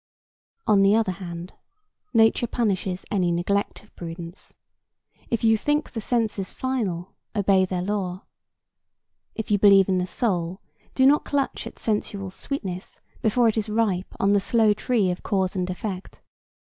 On the other hand, nature punishes any neglect of prudence. If you think the senses final, obey their law. If you believe in the soul, do not clutch at sensual sweetness before it is ripe on the slow tree of cause and effect.